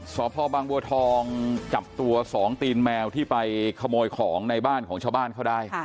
สพบางบัวทองจับตัวสองตีนแมวที่ไปขโมยของในบ้านของชาวบ้านเขาได้